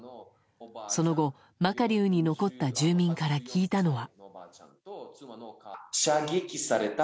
その後マカリウに残った住民から聞いたのは。